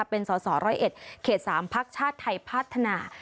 เป็นส๐๑เผ็ดสามภาคชาติไทยภาสธนา